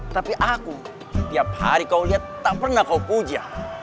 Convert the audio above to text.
tapi aku tiap hari kau lihat tak pernah kau puja